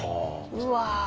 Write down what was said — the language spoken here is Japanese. うわ。